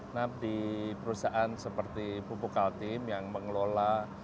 nah di perusahaan seperti pupuk altim yang mengelola